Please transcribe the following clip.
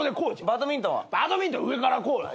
バドミントン上からこうや。